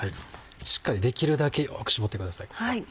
しっかりできるだけよく搾ってくださいここは。